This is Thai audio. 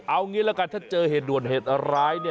เอางี้ละกันถ้าเจอเหตุด่วนเหตุร้าย